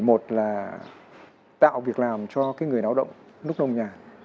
một là tạo việc làm cho cái người lao động nước nông nhà